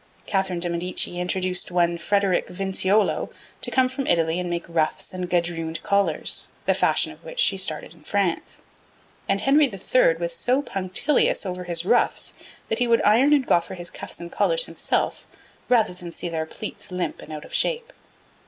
Catherine de Medicis induced one Frederic Vinciolo to come from Italy and make ruffs and gadrooned collars, the fashion of which she started in France; and Henry III. was so punctilious over his ruffs that he would iron and goffer his cuffs and collars himself rather than see their pleats limp and out of shape.